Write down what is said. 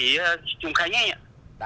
nam thủy khánh anh ạ